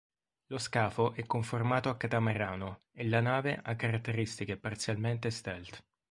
Lo scafo è conformato a catamarano, e la nave ha caratteristiche parzialmente stealth.